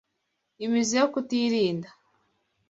Imizi yo Kutirinda